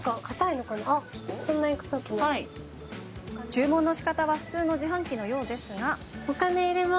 注文のしかたは普通の自販機のようですが。